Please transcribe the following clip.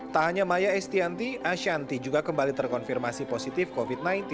tak hanya maya estianti ashanti juga kembali terkonfirmasi positif covid sembilan belas